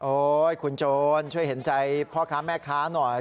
คุณโจรช่วยเห็นใจพ่อค้าแม่ค้าหน่อย